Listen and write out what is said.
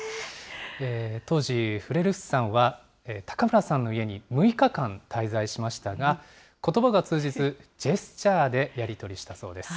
当時、フレルスフさんは、高村さんの家に６日間滞在しましたが、ことばが通じず、ジェスチャーでやり取りしたそうです。